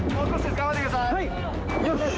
頑張ってください。